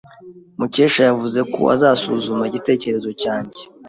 Mukesha yavuze ko azasuzuma igitekerezo cyanjye.